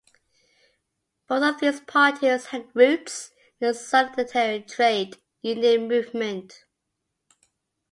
Both of these parties had roots in the Solidarity trade union movement.